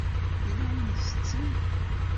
Yella win i itetten.